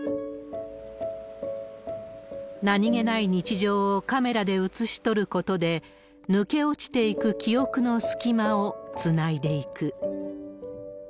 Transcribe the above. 何気ない日常をカメラで写し取ることで、抜け落ちていく記憶の隙間をつないでいく。